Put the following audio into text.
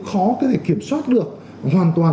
khó có thể kiểm soát được hoàn toàn